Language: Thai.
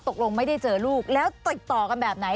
ตกลงไม่ได้เจอลูกแล้วติดต่อกันแบบไหน